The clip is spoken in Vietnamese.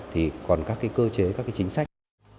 thì còn các cái cơ chế các cái chính sách